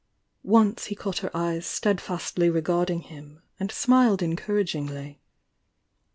Once he caught her eyes steadfastly regarding him, and smiled encouragingly.